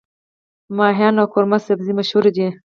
کباب او قورمه سبزي مشهور دي.